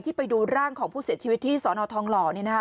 ไปดูร่างของผู้เสียชีวิตที่สนทองหล่อ